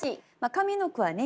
上の句はね